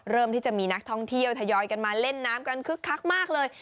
ที่จะมีนักท่องเที่ยวทยอยกันมาเล่นน้ำกันคึกคักมากเลย